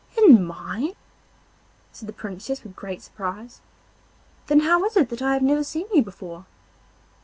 'In mine?' said the Princess with great surprise. 'Then how is it that I have never seen you before?